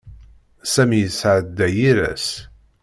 Sami yesɛedda yir ass.